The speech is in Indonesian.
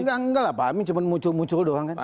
enggak enggak lah pak amin cuma muncul muncul doang kan